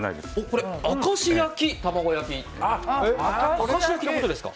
これ、明石焼きのことですか。